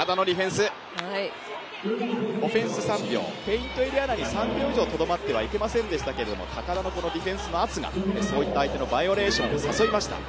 オフェンス３秒ペイントエリア内に３秒以上とどまってはいけませんでしたけども高田のディフェンスの圧がそういった相手のバイオレーションを誘いました。